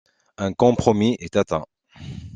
Un compromis est atteint.